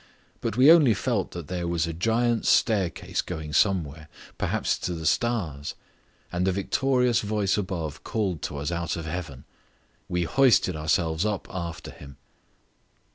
But we only felt that there was a giant's staircase going somewhere, perhaps to the stars; and the victorious voice above called to us out of heaven. We hoisted ourselves up after him.